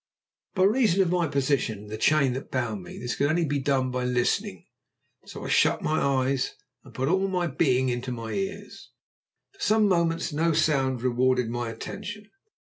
By reason of my position and the chain that bound me, this could only be done by listening, so I shut my eyes and put all my being into my ears. For some moments no sound rewarded my attention.